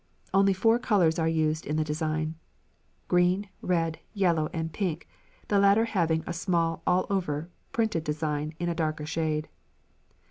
Only four colours are used in the design: green, red, yellow, and pink, the latter having a small allover printed design in a darker shade.